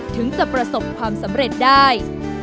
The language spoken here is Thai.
ถึงจะประสบความสำเร็จได้